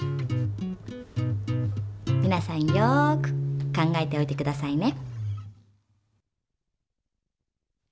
みなさんよく考えておいてくださいね。